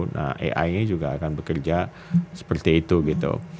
nah ai juga akan bekerja seperti itu gitu